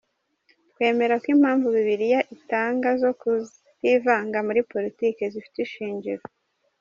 Twemera ko impamvu Bibiliya itanga zo kutivanga muri politiki zifite ishingiro.